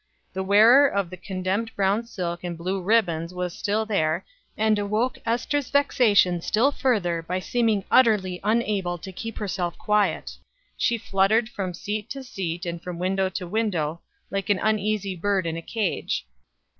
The wearer of the condemned brown silk and blue ribbons was still there, and awoke Ester's vexation still further by seeming utterly unable to keep herself quiet; she fluttered from seat to seat, and from window to window, like an uneasy bird in a cage.